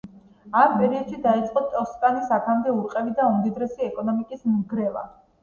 ამ პერიოდში დაიწყო ტოსკანის აქამდე ურყევი და უმდიდრესი ეკონომიკის ნგრევა.